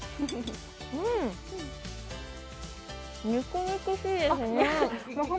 肉々しいですね。